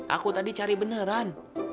aku tadi cari beneran